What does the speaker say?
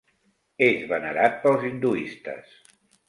És venerat pels hinduistes.